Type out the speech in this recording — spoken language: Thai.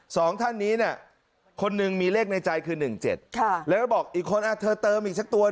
สองท่านนี้เนี่ยคนหนึ่งมีเลขในใจคือ๑๗แล้วก็บอกอีกคนเติมอีกสักตัว